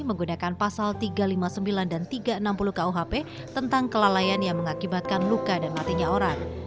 menggunakan pasal tiga ratus lima puluh sembilan dan tiga ratus enam puluh kuhp tentang kelalaian yang mengakibatkan luka dan matinya orang